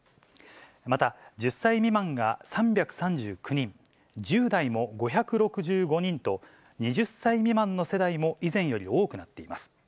また１０歳未満が３３９人、１０代も５６５人と、２０歳未満の世代も以前より多くなっています。